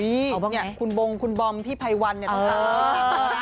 อุ้ยคุณบมคุณบอมพี่พัยวันเนี่ยต้องตาม